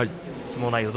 相撲内容